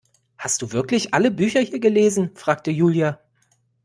Hast du wirklich alle Bücher hier gelesen, fragte Julia.